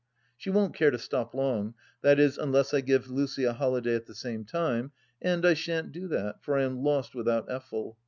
She won't care to stop long — that is, unless I give Lucy a holiday at the same time, and I shan't do that, for I am lost without Effel.